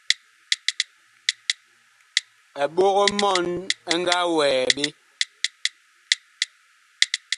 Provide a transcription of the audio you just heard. Eɓog-mɔɔn ɛ nga wɛɛ ɓe.